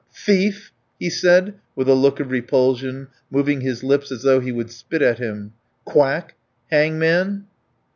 Thief!" he said with a look of repulsion, moving his lips as though he would spit at him. "Quack! hangman!"